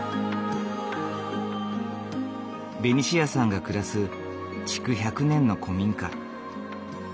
ベニシアさんが暮らす築１００年の古民家。